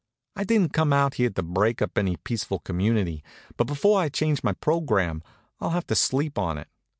I didn't come out here' to break up any peaceful community; but before I changes my program I'll have to sleep on it.